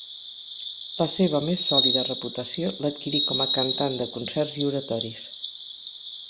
La seva més sòlida reputació l'adquirí com a cantant de concerts i oratoris.